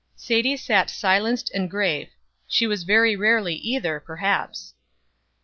Sadie sat silenced and grave; she was very rarely either, perhaps. Dr.